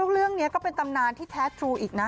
เรื่องนี้ก็เป็นตำนานที่แท้ทรูอีกนะ